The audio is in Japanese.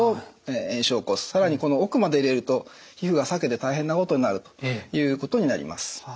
更にこの奥まで入れると皮膚が裂けて大変なことになるということになります。